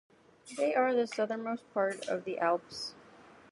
They are the southernmost part of the Alps.